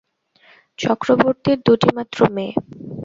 চক্রবর্তীর দুটিমাত্র মেয়ে।